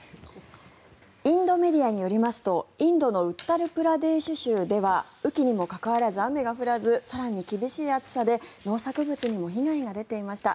インドメディアによりますとインドのウッタルプラデーシュ州では雨期にもかかわらず雨が降らず更に厳しい暑さで農作物にも被害が出ていました。